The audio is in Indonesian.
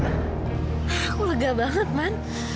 aku lega banget man